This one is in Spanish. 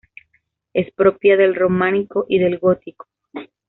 Es propia del románico y del gótico.